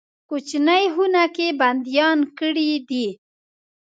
کوچنۍ خونه کې بندیان کړي دي.